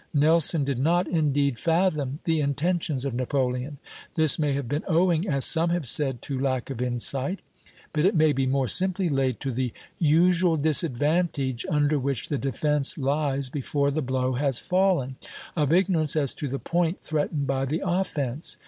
Nelson did not, indeed, fathom the intentions of Napoleon. This may have been owing, as some have said, to lack of insight; but it may be more simply laid to the usual disadvantage under which the defence lies before the blow has fallen, of ignorance as to the point threatened by the offence.